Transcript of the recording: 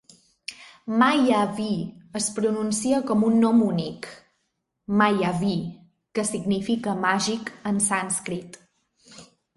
"MayaVi" es pronuncia com un nom únic, "Ma-ya-vii", que significa "màgic" en sànscrit.